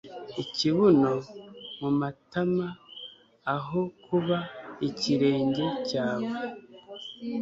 Ikibuno mumatama aho kuba ikirenge cyawe